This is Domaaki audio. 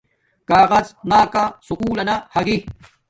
کاغظ نا کا سکُول لنا ھاگی